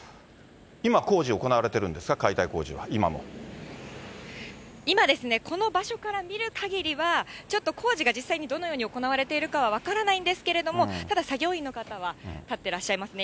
今、工事、行われてるんですか、今ですね、この場所から見るかぎりはちょっと工事が実際にどのように行われているかは分からないんですけれども、ただ、作業員の方は立ってらっしゃいますね。